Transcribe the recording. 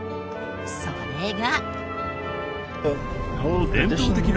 それが。